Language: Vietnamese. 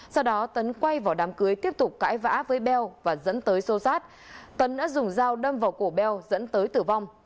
sau đó tấn quay vào đám cưới tiếp tục cãi vã với beo và dẫn tới sô sát tấn đã dùng dao đâm vào cổ beo dẫn tới tử vong